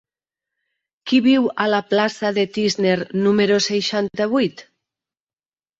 Qui viu a la plaça de Tísner número seixanta-vuit?